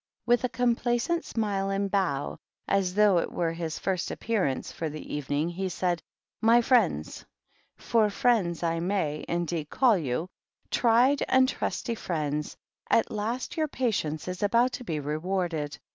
With a complacent smile and bow, as though it were his first appear ance for the evening, he said, "My friends, for friends I may, indeed, call you, — ^tried and trusty friends, — at last your patience is about to be re warded.